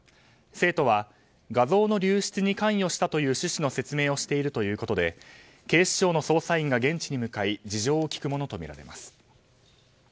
生徒は、画像の流出に関与したという趣旨の説明をしているということで警視庁の捜査員が現地に向かい、事情を聴くものとみられます。